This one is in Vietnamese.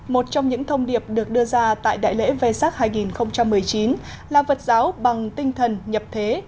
một trong những thông điệp được đưa ra tại đại lễ vsat hai nghìn một mươi chín là vật giáo bằng tinh thần nhập thế